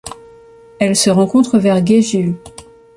Elle se rencontre vers Gejiu.